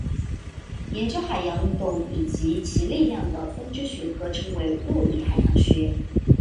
研究海洋运动以及其力量的分支学科称为物理海洋学。